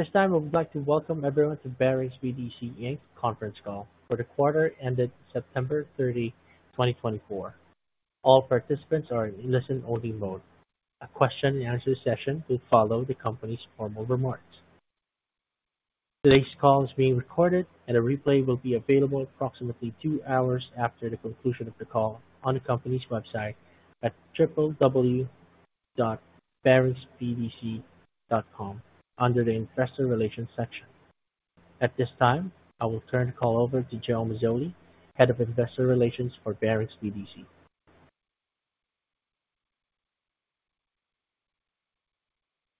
This time, I would like to welcome everyone to Barings BDC, Inc conference call for the quarter ended September 30, 2024. All participants are in listen-only mode. A question-and-answer session will follow the company's formal remarks. Today's call is being recorded, and a replay will be available approximately two hours after the conclusion of the call on the company's website at www.baringsbdc.com under the Investor Relations section. At this time, I will turn the call over to Joe Mazzoli, Head of Investor Relations for Barings BDC.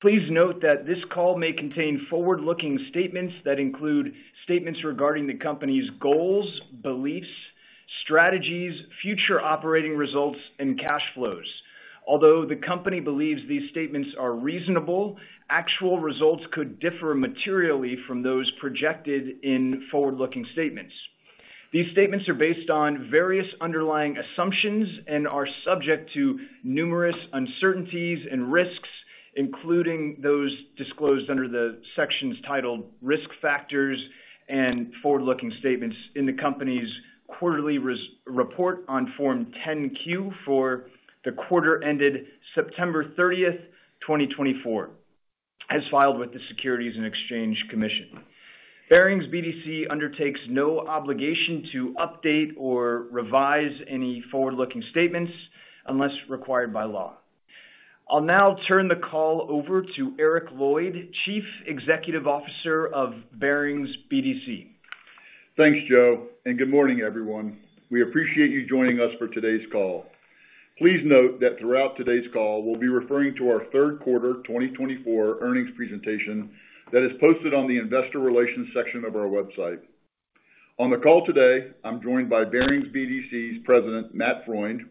Please note that this call may contain forward-looking statements that include statements regarding the company's goals, beliefs, strategies, future operating results, and cash flows. Although the company believes these statements are reasonable, actual results could differ materially from those projected in forward-looking statements. These statements are based on various underlying assumptions and are subject to numerous uncertainties and risks, including those disclosed under the sections titled Risk Factors and Forward-Looking Statements in the company's quarterly report on Form 10-Q for the quarter ended September 30, 2024, as filed with the Securities and Exchange Commission. Barings BDC undertakes no obligation to update or revise any forward-looking statements unless required by law. I'll now turn the call over to Eric Lloyd, Chief Executive Officer of Barings BDC. Thanks, Joe, and good morning, everyone. We appreciate you joining us for today's call. Please note that throughout today's call, we'll be referring to our third quarter 2024 earnings presentation that is posted on the Investor Relations section of our website. On the call today, I'm joined by Barings BDC's President, Matt Freund,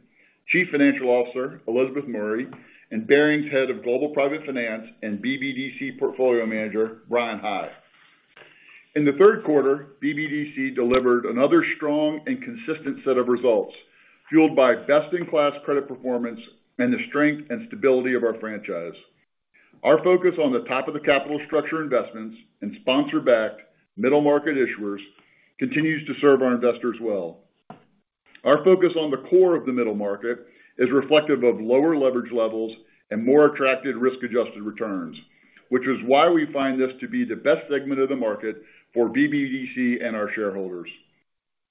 Chief Financial Officer, Elizabeth Murray, and Barings Head of Global Private Finance and BBDC Portfolio Manager, Bryan High. In the third quarter, BBDC delivered another strong and consistent set of results, fueled by best-in-class credit performance and the strength and stability of our franchise. Our focus on the top-of-the-capital structure investments and sponsor-backed middle-market issuers continues to serve our investors well. Our focus on the core of the middle market is reflective of lower leverage levels and more attractive risk-adjusted returns, which is why we find this to be the best segment of the market for BBDC and our shareholders.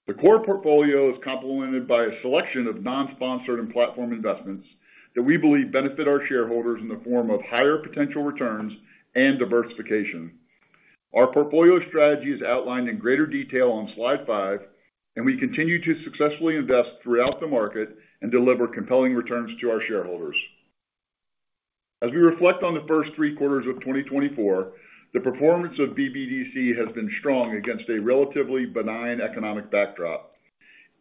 The core portfolio is complemented by a selection of non-sponsored and platform investments that we believe benefit our shareholders in the form of higher potential returns and diversification. Our portfolio strategy is outlined in greater detail on slide five, and we continue to successfully invest throughout the market and deliver compelling returns to our shareholders. As we reflect on the first three quarters of 2024, the performance of BBDC has been strong against a relatively benign economic backdrop.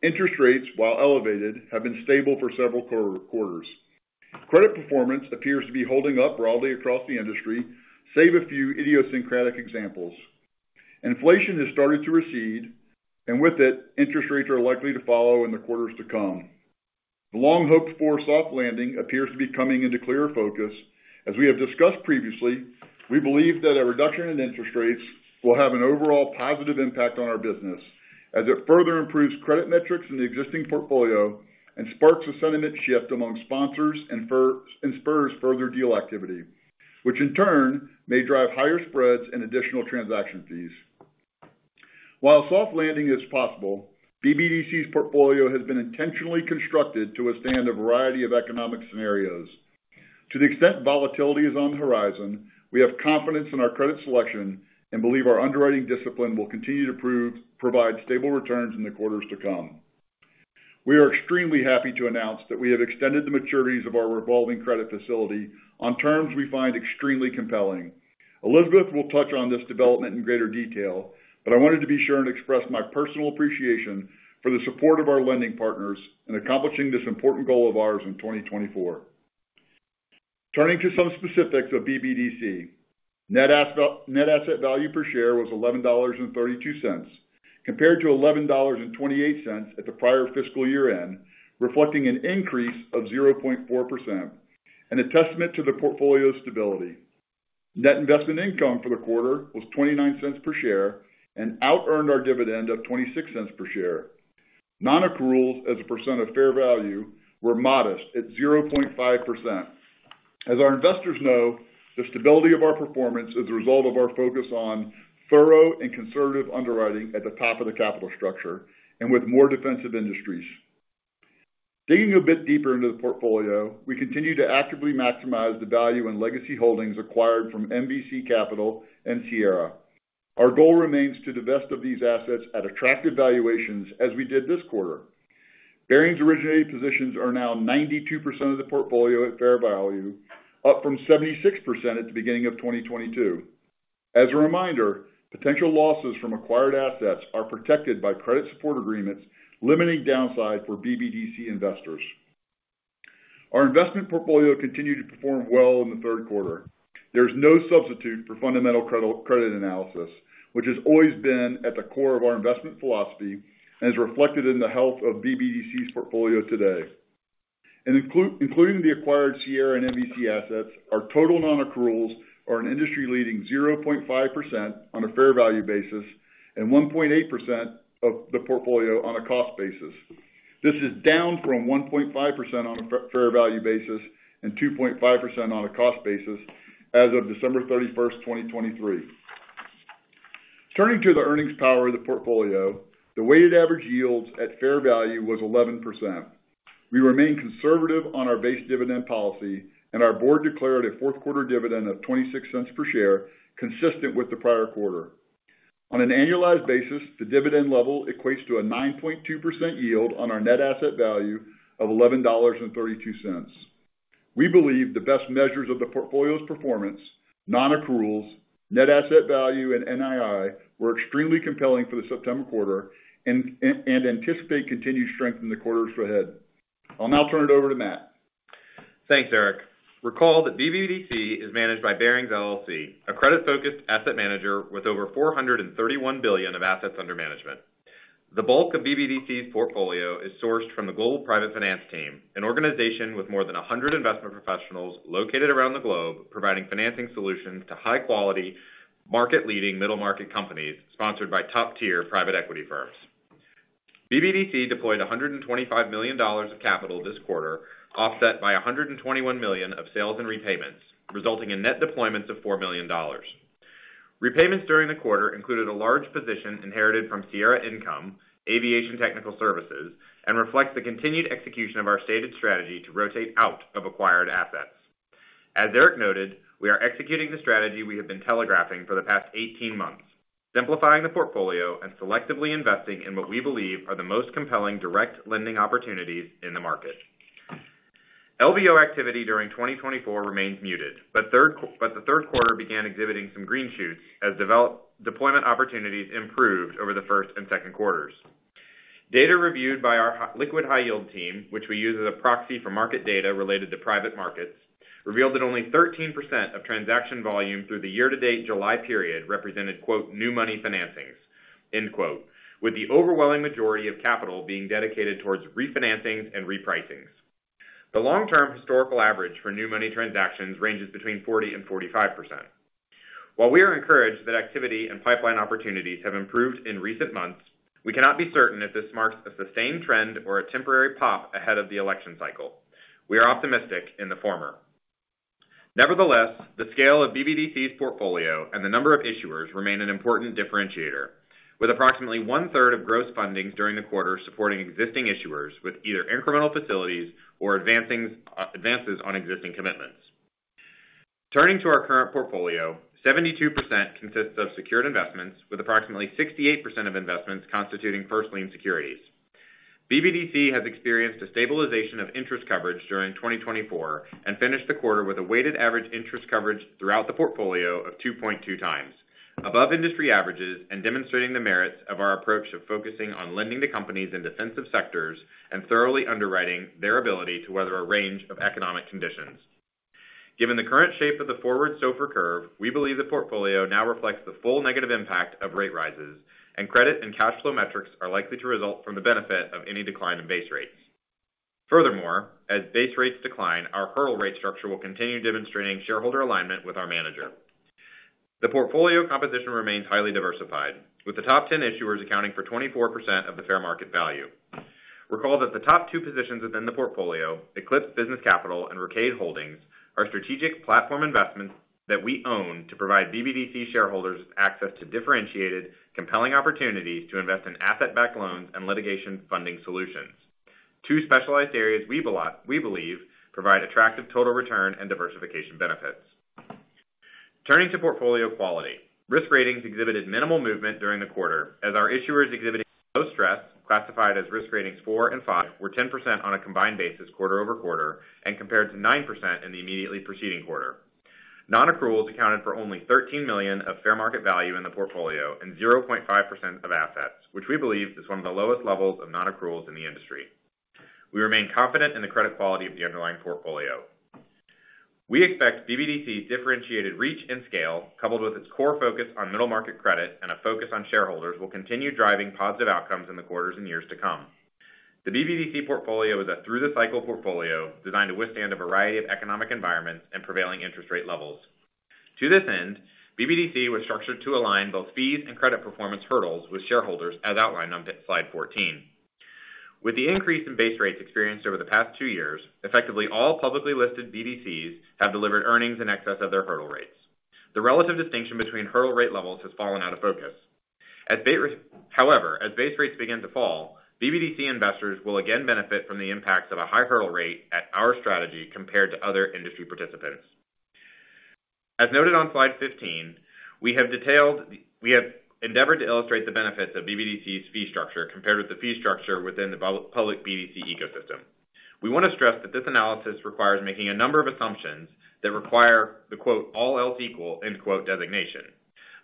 Interest rates, while elevated, have been stable for several quarters. Credit performance appears to be holding up broadly across the industry, save a few idiosyncratic examples. Inflation has started to recede, and with it, interest rates are likely to follow in the quarters to come. The long-hoped-for soft landing appears to be coming into clearer focus. As we have discussed previously, we believe that a reduction in interest rates will have an overall positive impact on our business, as it further improves credit metrics in the existing portfolio and sparks a sentiment shift among sponsors and spurs further deal activity, which in turn may drive higher spreads and additional transaction fees. While soft landing is possible, BBDC's portfolio has been intentionally constructed to withstand a variety of economic scenarios. To the extent volatility is on the horizon, we have confidence in our credit selection and believe our underwriting discipline will continue to provide stable returns in the quarters to come. We are extremely happy to announce that we have extended the maturities of our revolving credit facility on terms we find extremely compelling. Elizabeth will touch on this development in greater detail, but I wanted to be sure and express my personal appreciation for the support of our lending partners in accomplishing this important goal of ours in 2024. Turning to some specifics of BBDC, net asset value per share was $11.32, compared to $11.28 at the prior fiscal year end, reflecting an increase of 0.4%, a testament to the portfolio's stability. Net investment income for the quarter was $0.29 per share and out-earned our dividend of $0.26 per share. Non-accruals as a % of fair value were modest at 0.5%. As our investors know, the stability of our performance is the result of our focus on thorough and conservative underwriting at the top of the capital structure and with more defensive industries. Digging a bit deeper into the portfolio, we continue to actively maximize the value and legacy holdings acquired from MVC Capital and Sierra. Our goal remains to divest of these assets at attractive valuations as we did this quarter. Barings originated positions are now 92% of the portfolio at fair value, up from 76% at the beginning of 2022. As a reminder, potential losses from acquired assets are protected by credit support agreements, limiting downside for BBDC investors. Our investment portfolio continued to perform well in the third quarter. There is no substitute for fundamental credit analysis, which has always been at the core of our investment philosophy and is reflected in the health of BBDC's portfolio today. Including the acquired Sierra and MVC assets, our total non-accruals are an industry-leading 0.5% on a fair value basis and 1.8% of the portfolio on a cost basis. This is down from 1.5% on a fair value basis and 2.5% on a cost basis as of December 31, 2023. Turning to the earnings power of the portfolio, the weighted average yield at fair value was 11%. We remain conservative on our base dividend policy, and our board declared a fourth quarter dividend of $0.26 per share, consistent with the prior quarter. On an annualized basis, the dividend level equates to a 9.2% yield on our net asset value of $11.32. We believe the best measures of the portfolio's performance, non-accruals, net asset value, and NII were extremely compelling for the September quarter and anticipate continued strength in the quarters ahead. I'll now turn it over to Matt. Thanks, Eric. Recall that BBDC is managed by Barings LLC, a credit-focused asset manager with over $431 billion of assets under management. The bulk of BBDC's portfolio is sourced from the Global Private Finance Team, an organization with more than 100 investment professionals located around the globe providing financing solutions to high-quality, market-leading middle-market companies sponsored by top-tier private equity firms. BBDC deployed $125 million of capital this quarter, offset by $121 million of sales and repayments, resulting in net deployments of $4 million. Repayments during the quarter included a large position inherited from Sierra Income, Aviation Technical Services and reflects the continued execution of our stated strategy to rotate out of acquired assets. As Eric noted, we are executing the strategy we have been telegraphing for the past 18 months, simplifying the portfolio and selectively investing in what we believe are the most compelling direct lending opportunities in the market. LBO activity during 2024 remains muted, but the third quarter began exhibiting some green shoots as deployment opportunities improved over the first and second quarters. Data reviewed by our Liquid High Yield Team, which we use as a proxy for market data related to private markets, revealed that only 13% of transaction volume through the year-to-date July period represented "new money financings," with the overwhelming majority of capital being dedicated towards refinancings and repricings. The long-term historical average for new money transactions ranges between 40% and 45%. While we are encouraged that activity and pipeline opportunities have improved in recent months, we cannot be certain if this marks a sustained trend or a temporary pop ahead of the election cycle. We are optimistic in the former. Nevertheless, the scale of BBDC's portfolio and the number of issuers remain an important differentiator, with approximately one-third of gross funding during the quarter supporting existing issuers with either incremental facilities or advances on existing commitments. Turning to our current portfolio, 72% consists of secured investments, with approximately 68% of investments constituting first-lien securities. BBDC has experienced a stabilization of interest coverage during 2024 and finished the quarter with a weighted average interest coverage throughout the portfolio of 2.2x, above industry averages and demonstrating the merits of our approach of focusing on lending to companies in defensive sectors and thoroughly underwriting their ability to weather a range of economic conditions. Given the current shape of the forward SOFR curve, we believe the portfolio now reflects the full negative impact of rate rises, and credit and cash flow metrics are likely to result from the benefit of any decline in base rates. Furthermore, as base rates decline, our hurdle rate structure will continue demonstrating shareholder alignment with our manager. The portfolio composition remains highly diversified, with the top 10 issuers accounting for 24% of the fair market value. Recall that the top two positions within the portfolio, Eclipse Business Capital and Rocade Holdings, are strategic platform investments that we own to provide BBDC shareholders access to differentiated, compelling opportunities to invest in asset-backed loans and litigation funding solutions, two specialized areas we believe provide attractive total return and diversification benefits. Turning to portfolio quality, risk ratings exhibited minimal movement during the quarter, as our issuers exhibited no stress. Classified as risk ratings four and five were 10% on a combined basis quarter over quarter and compared to 9% in the immediately preceding quarter. Non-accruals accounted for only $13 million of fair market value in the portfolio and 0.5% of assets, which we believe is one of the lowest levels of non-accruals in the industry. We remain confident in the credit quality of the underlying portfolio. We expect BBDC's differentiated reach and scale, coupled with its core focus on middle-market credit and a focus on shareholders, will continue driving positive outcomes in the quarters and years to come. The BBDC portfolio is a through-the-cycle portfolio designed to withstand a variety of economic environments and prevailing interest rate levels. To this end, BBDC was structured to align both fees and credit performance hurdles with shareholders, as outlined on slide 14. With the increase in base rates experienced over the past two years, effectively all publicly listed BDCs have delivered earnings in excess of their hurdle rates. The relative distinction between hurdle rate levels has fallen out of focus. However, as base rates begin to fall, BBDC investors will again benefit from the impacts of a high hurdle rate at our strategy compared to other industry participants. As noted on slide 15, we have endeavored to illustrate the benefits of BBDC's fee structure compared with the fee structure within the public BDC ecosystem. We want to stress that this analysis requires making a number of assumptions that require the "all else equal" designation,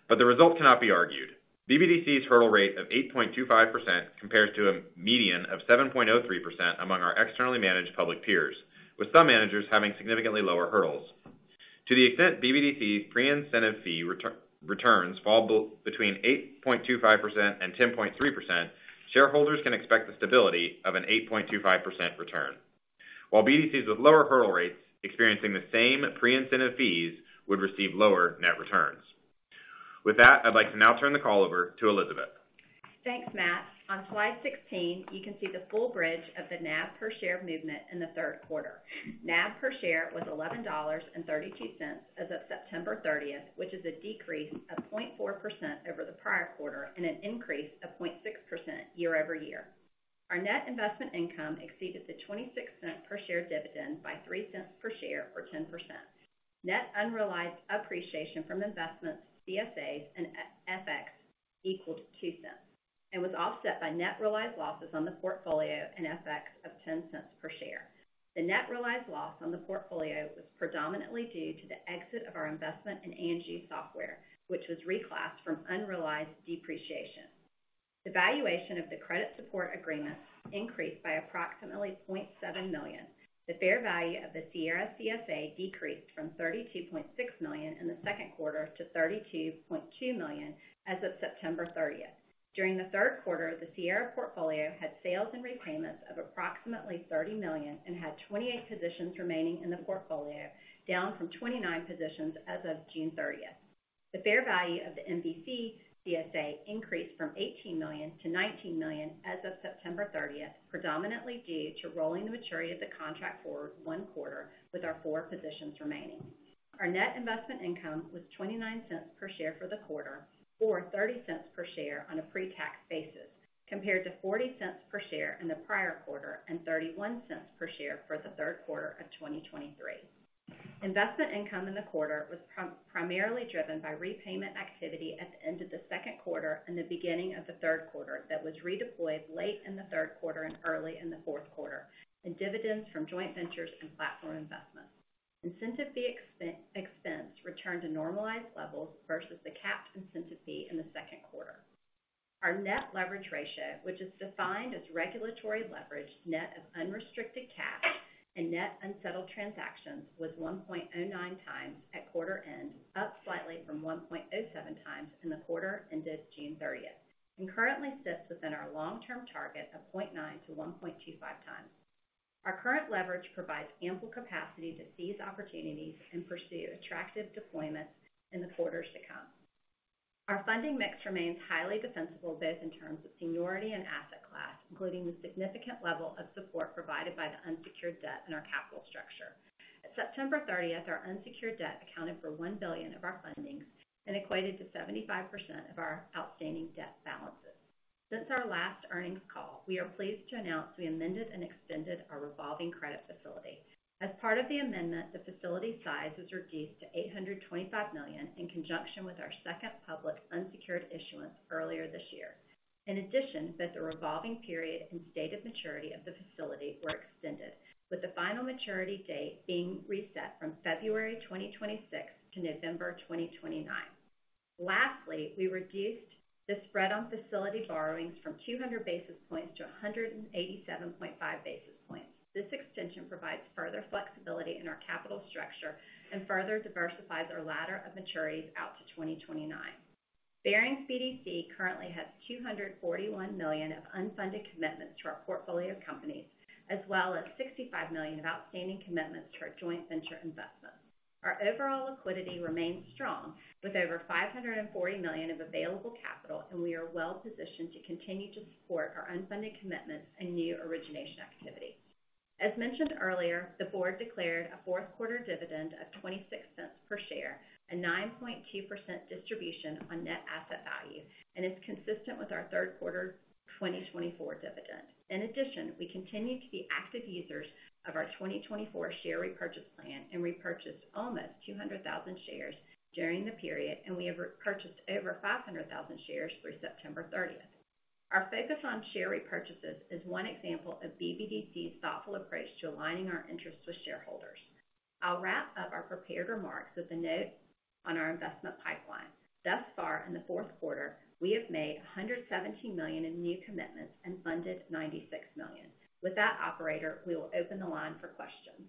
but the result cannot be argued. BBDC's hurdle rate of 8.25% compares to a median of 7.03% among our externally managed public peers, with some managers having significantly lower hurdles. To the extent BBDC's pre-incentive fee returns fall between 8.25% and 10.3%, shareholders can expect the stability of an 8.25% return, while BDCs with lower hurdle rates experiencing the same pre-incentive fees would receive lower net returns. With that, I'd like to now turn the call over to Elizabeth. Thanks, Matt. On slide 16, you can see the full bridge of the NAV per share movement in the third quarter. NAV per share was $11.32 as of September 30, which is a decrease of 0.4% over the prior quarter and an increase of 0.6% year over year. Our net investment income exceeded the $0.26 per share dividend by $0.03 per share or 10%. Net unrealized appreciation from investments, CSAs, and FX equaled $0.02 and was offset by net realized losses on the portfolio and FX of $0.10 per share. The net realized loss on the portfolio was predominantly due to the exit of our investment in Anju Software, which was reclassed from unrealized depreciation. The valuation of the credit support agreements increased by approximately $0.7 million. The fair value of the Sierra CSA decreased from $32.6 million in the second quarter to $32.2 million as of September 30. During the third quarter, the Sierra portfolio had sales and repayments of approximately $30 million and had 28 positions remaining in the portfolio, down from 29 positions as of June 30. The fair value of the MVC CSA increased from $18 million to $19 million as of September 30, predominantly due to rolling the maturity of the contract forward one quarter with our four positions remaining. Our net investment income was $0.29 per share for the quarter, or $0.30 per share on a pre-tax basis, compared to $0.40 per share in the prior quarter and $0.31 per share for the third quarter of 2023. Investment income in the quarter was primarily driven by repayment activity at the end of the second quarter and the beginning of the third quarter that was redeployed late in the third quarter and early in the fourth quarter, and dividends from joint ventures and platform investments. Incentive fee expense returned to normalized levels versus the capped incentive fee in the second quarter. Our net leverage ratio, which is defined as regulatory leverage net of unrestricted cash and net unsettled transactions, was 1.09x at quarter end, up slightly from 1.07x in the quarter ended June 30, and currently sits within our long-term target of 0.9x-1.25x. Our current leverage provides ample capacity to seize opportunities and pursue attractive deployments in the quarters to come. Our funding mix remains highly defensible both in terms of seniority and asset class, including the significant level of support provided by the unsecured debt in our capital structure. At September 30, our unsecured debt accounted for $1 billion of our fundings and equated to 75% of our outstanding debt balances. Since our last earnings call, we are pleased to announce we amended and extended our revolving credit facility. As part of the amendment, the facility size was reduced to $825 million in conjunction with our second public unsecured issuance earlier this year. In addition, both the revolving period and stated maturity of the facility were extended, with the final maturity date being reset from February 2026 to November 2029. Lastly, we reduced the spread on facility borrowings from 200 basis points to 187.5 basis points. This extension provides further flexibility in our capital structure and further diversifies our ladder of maturities out to 2029. Barings BDC currently has $241 million of unfunded commitments to our portfolio companies, as well as $65 million of outstanding commitments to our joint venture investments. Our overall liquidity remains strong, with over $540 million of available capital, and we are well positioned to continue to support our unfunded commitments and new origination activity. As mentioned earlier, the board declared a fourth quarter dividend of $0.26 per share, a 9.2% distribution on net asset value, and it's consistent with our third quarter 2024 dividend. In addition, we continue to be active users of our 2024 share repurchase plan and repurchased almost 200,000 shares during the period, and we have repurchased over 500,000 shares through September 30. Our focus on share repurchases is one example of BBDC's thoughtful approach to aligning our interests with shareholders. I'll wrap up our prepared remarks with a note on our investment pipeline. Thus far, in the fourth quarter, we have made $117 million in new commitments and funded $96 million. With that, operator, we will open the line for questions.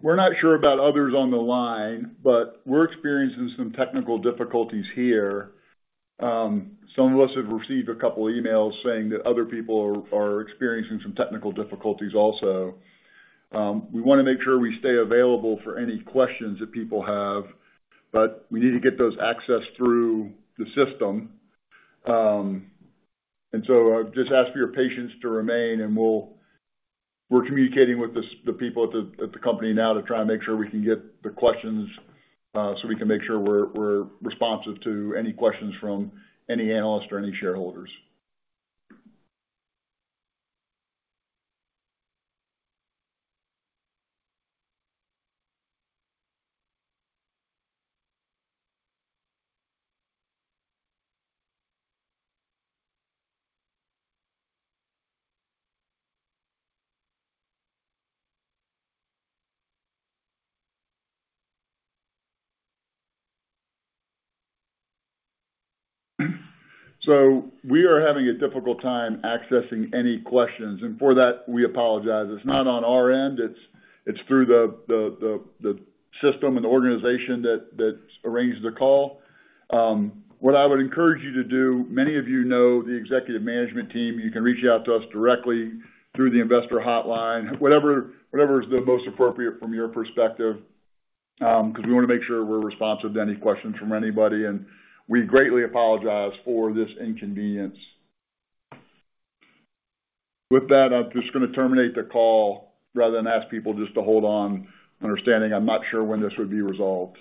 We're not sure about others on the line, but we're experiencing some technical difficulties here. Some of us have received a couple of emails saying that other people are experiencing some technical difficulties also. We want to make sure we stay available for any questions that people have, but we need to get those accessed through the system. And so I just ask for your patience to remain, and we're communicating with the people at the company now to try and make sure we can get the questions so we can make sure we're responsive to any questions from any analyst or any shareholders. We are having a difficult time accessing any questions, and for that, we apologize. It's not on our end. It's through the system and the organization that arranged the call. What I would encourage you to do, many of you know the executive management team. You can reach out to us directly through the investor hotline, whatever is the most appropriate from your perspective, because we want to make sure we're responsive to any questions from anybody, and we greatly apologize for this inconvenience. With that, I'm just going to terminate the call rather than ask people just to hold on, understanding I'm not sure when this would be resolved.